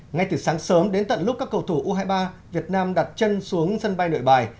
ngay từ sáng sớm đến tận lúc các cầu thủ u hai mươi ba việt nam đặt chân xuống sân bay nội bài